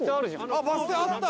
あっバス停あった！